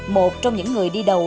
một trong những người đi đầu